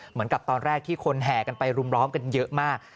เหมือนกับตอนแรกที่คนแห่กันไปรุมล้อมกันเยอะมาก